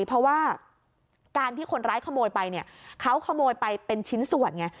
เพราะว่าการที่คนร้ายขโมยไปเนี่ยเขาขโมยไปเป็นชิ้นส่วนไง